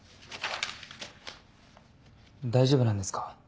大丈夫なんですか？